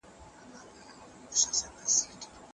جګړه کولای سي چي د کلونو زیار په اوبو لاهو کړي.